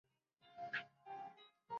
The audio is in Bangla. আমাদের ছেলে বেঁচে আছে, স্ট্রেট গেইজ।